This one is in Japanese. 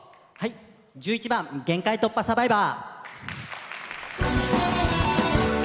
１１番「限界突破×サバイバー」。